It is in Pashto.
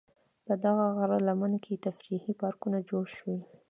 په دغه غره لمن کې تفریحي پارک جوړ شوی.